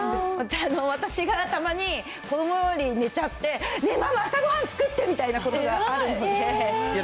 私がたまに、子どもより寝ちゃって、ねぇ、ママ、朝ごはん作ってみたいなことがあるんで。